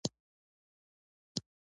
خدمت عبادت دی